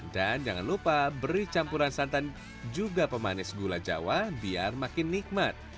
dan jangan lupa beri campuran santan juga pemanis gula jawa biar makin nikmat